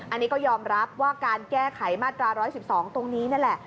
อันนี้ก็ยอมรับว่าการแก้ไขมาตรา๑๑๒ตรงนี้นั่นแหละ